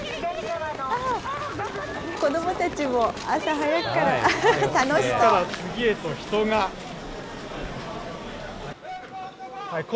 子どもたちも朝早くから楽しそう。